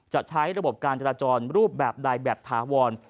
จะใช้ระบบการจราจรรูปแบบใดแบบถาวร